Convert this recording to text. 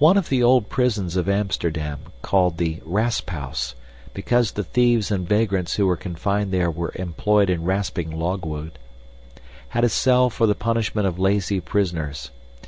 One of the old prisons of Amsterdam, called the Rasphouse, because the thieves and vagrants who were confined there were employed in rasping logwood, had a cell for the punishment of lazy prisoners.